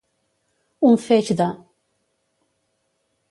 Un feix de.